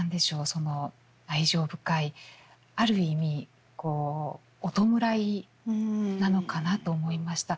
その愛情深いある意味こうお弔いなのかなと思いました。